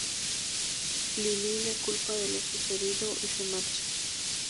Lily le culpa de lo sucedido y se marcha.